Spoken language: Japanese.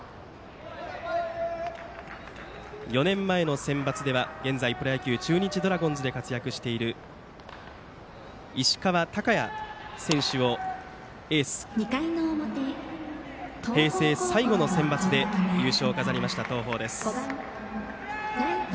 ４年前のセンバツでは現在、プロ野球の中日ドラゴンズで活躍している石川昂弥選手をエースに擁し平成最後のセンバツで優勝を飾りました、東邦です。